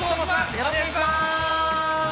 よろしくお願いします！